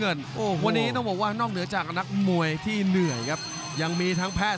วันนี้ต้องบอกว่านอกเหนือจากนักมวยที่เหนื่อยครับยังมีทั้งแพทย์